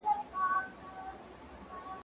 زه پرون مړۍ وخوړله!.